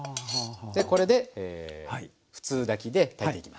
これで普通炊きで炊いていきます。